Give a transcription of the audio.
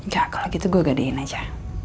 enggak kalau gitu gue gadein aja